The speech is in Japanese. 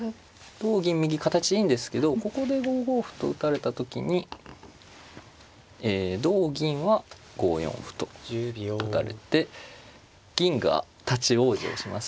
同銀右形いいんですけどここで５五歩と打たれた時に同銀は５四歩と打たれて銀が立往生しますね。